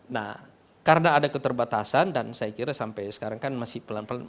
nah karena ada keterbatasan dan saya kira sampai sekarang kan masih pelan pelan